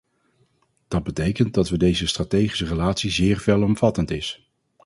Dat betekent dat we deze strategische relatie zeer veelomvattend is.